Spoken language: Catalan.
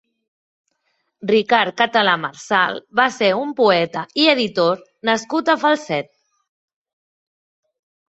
Ricard Català Marsal va ser un poeta i editor nascut a Falset.